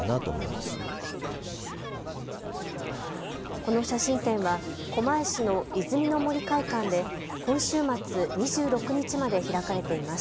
この写真展は狛江市の泉の森会館で今週末、２６日まで開かれています。